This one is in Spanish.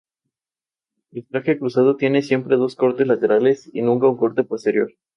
Este álbum contiene su única canción instrumental, Alejandría.